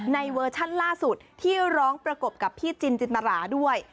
เวอร์ชั่นล่าสุดที่ร้องประกบกับพี่จินจินตราด้วย